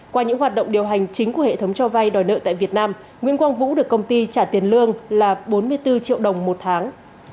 qua những hoạt động điều hành chính của hệ thống cho vay đòi nợ tại việt nam nguyễn quang vũ được công ty trả tiền lương là bốn mươi bốn triệu đồng một tháng